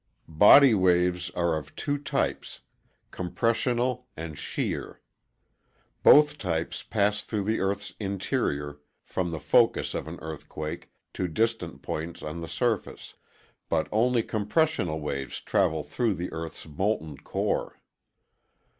Body waves are of two types, compressional and shear. Both types pass through the EarthŌĆÖs interior from the focus of an earthquake to distant points on the surface, but only compressional waves travel through the EarthŌĆÖs molten core.